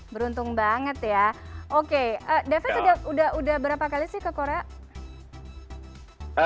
beruntung banget ya oke david sudah berapa kali sih ke korea